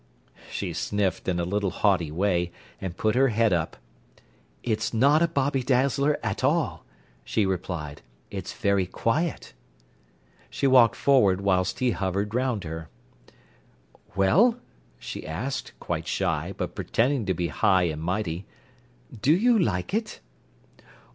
She sniffed in a little haughty way, and put her head up. "It's not a bobby dazzler at all!" she replied. "It's very quiet." She walked forward, whilst he hovered round her. "Well," she asked, quite shy, but pretending to be high and mighty, "do you like it?"